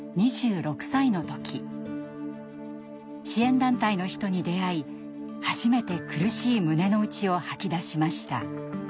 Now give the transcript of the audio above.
支援団体の人に出会い初めて苦しい胸の内を吐き出しました。